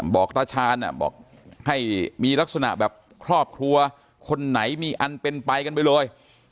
ตาชาญบอกให้มีลักษณะแบบครอบครัวคนไหนมีอันเป็นไปกันไปเลย